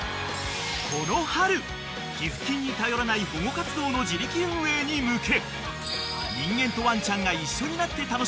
［この春寄付金に頼らない保護活動の自力運営に向け］